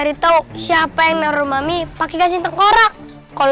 itu kan gasintang korak